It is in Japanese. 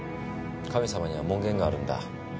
神様には門限があるんだ？